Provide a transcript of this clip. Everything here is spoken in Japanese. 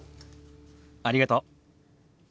ありがとう。